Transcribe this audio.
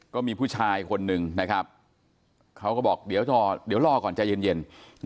ก็มีผู้ชายคนหนึ่งนะครับเขาก็บอกเดี๋ยวรอก่อนใจเย็น